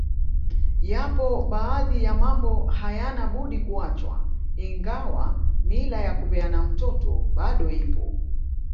Yapo baadhi ya mambo hayana budi kuachwa ingawa mila ya kupeana mtoto bado ipo